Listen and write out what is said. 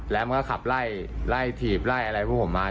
และมันก็ขับไล่ทีบอะไรพวกมันมา